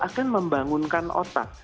akan membangunkan otak